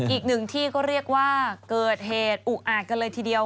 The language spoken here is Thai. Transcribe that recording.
อีกหนึ่งที่ก็เรียกว่าเกิดเหตุอุกอาจกันเลยทีเดียว